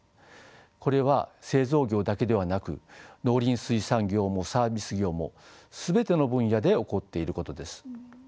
これは製造業だけではなく農林水産業もサービス業も全ての分野で起こっていることです。